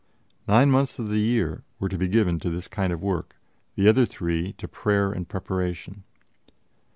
Nine months of the year were to be given to this kind of work; the other three to prayer and preparation.